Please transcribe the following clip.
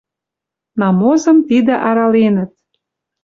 Намозым тидӹ араленӹт.